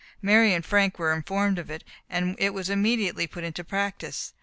Mary and Frank were informed of it, and it was immediately put into practice.